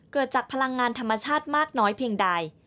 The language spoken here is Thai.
เกิดจากพลังงานธรรมชาติมากน้อยเพียงใด